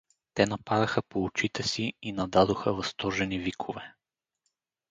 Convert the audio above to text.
Те нападаха по очите си и нададоха възторжени викове.